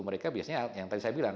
mereka biasanya yang tadi saya bilang